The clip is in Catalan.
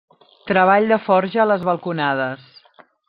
Treball de forja a les balconades.